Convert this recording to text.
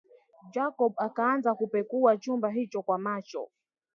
Jacob akaanza kupekua chumba hicho kwa macho